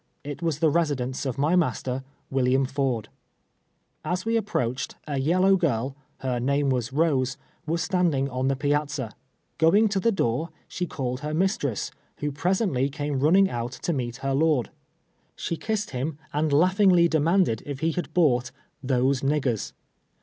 It was the residence of my master, William Ford. As we ai)proached, a yellow girl — her name was Iiose — was standing on the \na'/.'/A\. Going to the door, she called her mistress, who presently came run ning out to meet her lord. She kissed him, and laughingly demanded if he had bought " those nig gei s."